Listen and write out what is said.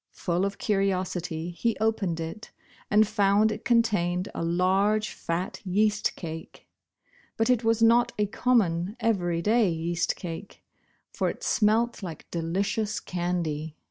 Full of curiosity he opened it and found it contained a large fat yeast cake. But it was not a common everyday yeast cake, for it smelt like delicious candy.